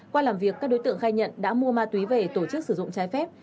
qua làm việc các đối tượng khai nhận đã mua ma túy về tổ chức sử dụng trái phép